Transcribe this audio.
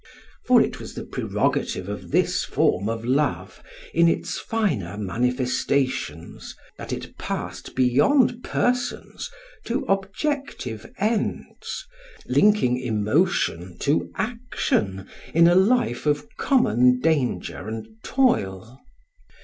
For it was the prerogative of this form of love, in its finer manifestations, that it passed beyond persons to objective ends, linking emotion to action in a life of common danger and toil.